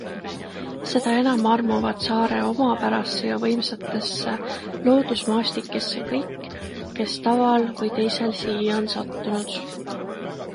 Seda enam armuvad saare omapärasse ja võimsatesse loodusmaastikesse kõik, kes taval või teisel siia on sattunud.